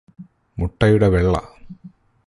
മുട്ടയുടെ വെള്ള